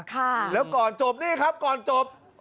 ค่ะแล้วก่อนจบนี่ครับก่อนจบ